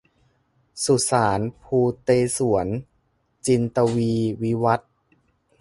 สุสานภูเตศวร- จินตวีร์ วิวัธน์